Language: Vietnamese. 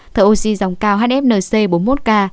thở oxy dòng cao hfnc bốn mươi một ca